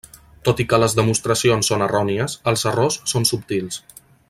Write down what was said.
Tot i que les demostracions són errònies, els errors són subtils.